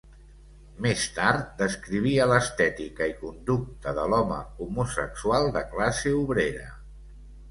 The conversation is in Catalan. Més tard, descrivia l'estètica i conducta de l'home homosexual de classe obrera.